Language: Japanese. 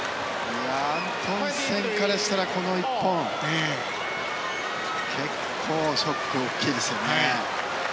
アントンセンからしたらこの一本、結構ショックが大きいですよね。